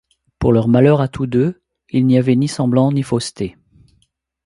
Pour leur malheur à tous deux, il n’y avait ni semblants ni fausseté.